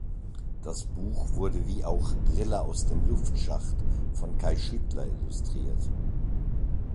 Das Buch wurde wie auch "Rille aus dem Luftschacht" von Kai Schüttler illustriert.